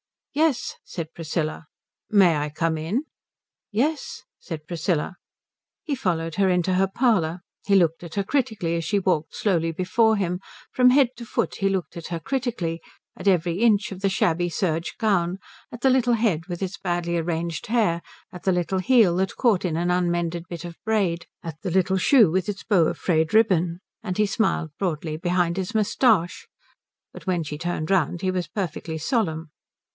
"Yes," said Priscilla. "May I come in?" "Yes," said Priscilla. He followed her into her parlour. He looked at her critically as she walked slowly before him, from head to foot he looked at her critically; at every inch of the shabby serge gown, at the little head with its badly arranged hair, at the little heel that caught in an unmended bit of braid, at the little shoe with its bow of frayed ribbon, and he smiled broadly behind his moustache. But when she turned round he was perfectly solemn.